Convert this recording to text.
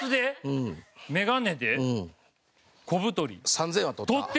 ３０００円は取った。